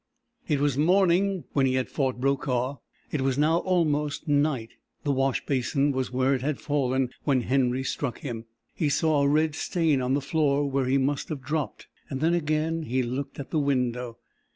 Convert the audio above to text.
It was morning when he had fought Brokaw; it was now almost night. The wash basin was where it had fallen when Henry struck him. He saw a red stain on the floor where he must have dropped. Then again he looked at the window.